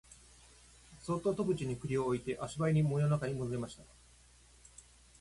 ごんは誰にも見つからないよう慎重に家へ近づき、そっと戸口に栗を置いて足早に森の中へ戻りました。